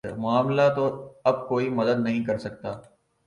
معاملہ تو اب کوئی مدد نہیں کر سکتا